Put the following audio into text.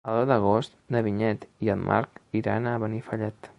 El deu d'agost na Vinyet i en Marc iran a Benifallet.